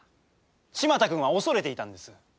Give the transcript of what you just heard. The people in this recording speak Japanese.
千万太君は恐れていたんです。